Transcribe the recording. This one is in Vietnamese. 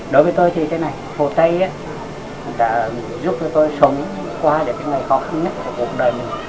đối với tôi thì thế này hồ tây đã giúp cho tôi sống qua những cái ngày khó khăn nhất của cuộc đời mình